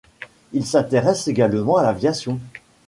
Il s'intéresse également à l'aviation.